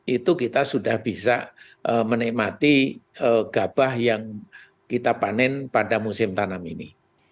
itu kita sudah bisa menikmati gabah yang kita panen pada musim tanam ini